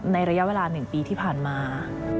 ในระยะเวลา๑ปีที่ผ่านมา